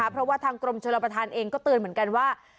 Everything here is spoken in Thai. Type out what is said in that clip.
เพราะว่าทางกรมชลประธานเองก็เตือนเหมือนกันว่า